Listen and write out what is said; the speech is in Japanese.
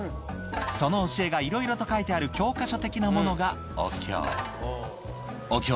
その教えがいろいろと書いてある教科書的なものがお経。